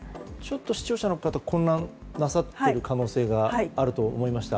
視聴者の方混乱なさってる可能性があると思いました。